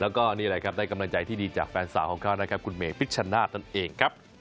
แล้วก็นี่แหละครับได้กำลังใจที่ดีจากแฟนสาวของเขานะครับคุณเมฆพิชชนาธิ์นั่นเองครับ